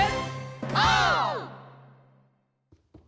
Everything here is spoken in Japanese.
オー！